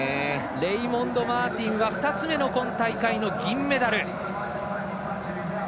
レイモンド・マーティンは２つ目の今大会の銀メダル。